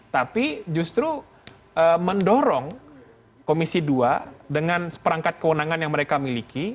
tapi justru mendorong komisi dua dengan seperangkat kewenangan yang mereka miliki